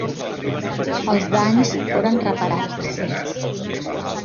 Els danys foren reparats.